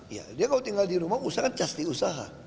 ya dia kalau tinggal di rumah usaha kan justi usaha